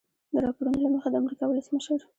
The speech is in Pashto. د راپورونو له مخې د امریکا ولسمشر